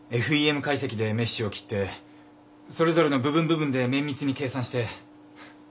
ＦＥＭ解析でメッシュを切ってそれぞれの部分部分で綿密に計算して。